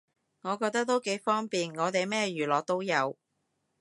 我覺得都幾方便，我哋咩娛樂都有